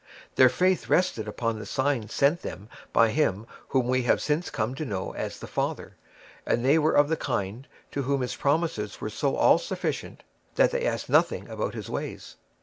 Their faith rested upon the signs sent them by him whom we have since come to know as the Father; and they were of the kind to whom his promises were so all sufficient that they asked nothing about his ways.